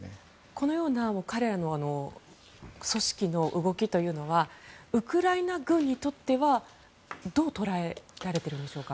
このような彼らの組織の動きというのはウクライナ軍にとってはどう捉えられているんでしょうか。